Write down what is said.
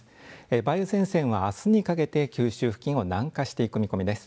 梅雨前線はあすにかけて九州付近を南下していく見込みです。